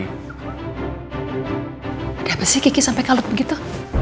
ada apa sih gigi sampai kalut begitu